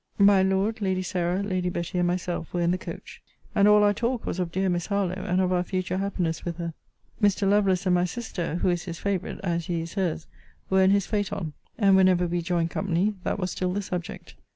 My Lord, Lady Sarah, Lady Betty, and myself, were in the coach; and all our talk was of dear Miss Harlowe, and of our future happiness with her: Mr. Lovelace and my sister (who is his favourite, as he is her's) were in his phaëton: and, whenever we joined company, that was still the subject.